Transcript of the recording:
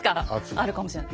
あるかもしれない。